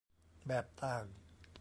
แบบต่าง